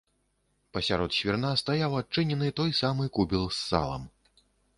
Пасярод свірна стаяў адчынены, той самы, кубел з салам.